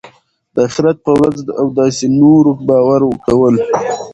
د آخرت په ورځ او داسي نورو باور کول .